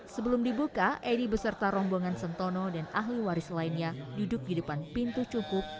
sebelum dibuka edi beserta rombongan sentono dan ahli waris lainnya duduk di depan pintu cungkup